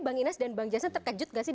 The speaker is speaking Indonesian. bang inas dan bang jasen terkejut enggak sih